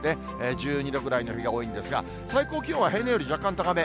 １２度くらいの日が多いんですが、最高気温は平年より若干高め。